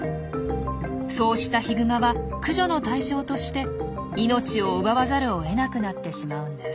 そうしたヒグマは駆除の対象として命を奪わざるを得なくなってしまうんです。